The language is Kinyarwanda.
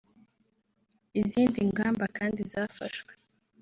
Izindi ngamba kandi zafashwe